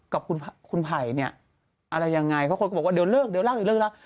กับคุณไผ่นี่อะไรยังไงเพราะคนก็บอกว่าเดี๋ยวเลิกแล้ว